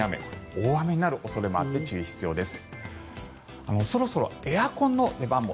大雨になる恐れもあって注意が必要です。